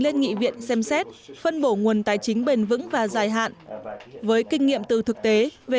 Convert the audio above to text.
liên nghị viện xem xét phân bổ nguồn tài chính bền vững và dài hạn với kinh nghiệm từ thực tế về